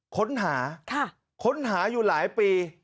ค้นหาค้นหาอยู่หลายปี